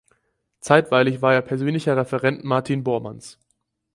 Zeitweilig war er persönlicher Referent Martin Bormanns.